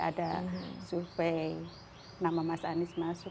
ada survei nama mas anies masuk